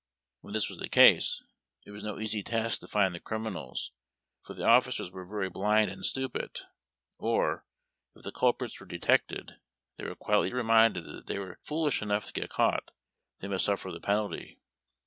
When this was the case, it was no easy task to find the criminals, for the officers were very blind and stupid, or, if the culprits were detected, they were quietly reminded that if they were foolish enough to get caught they must suffer the penalty.